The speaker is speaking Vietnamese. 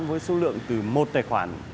với số lượng từ một tài khoản